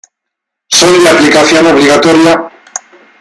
Son de aplicación obligatoria.